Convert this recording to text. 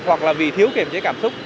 hoặc là vì thiếu kiềm chế cảm xúc